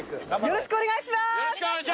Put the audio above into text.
よろしくお願いします！